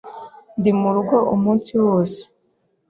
Ndi murugo umunsi wose.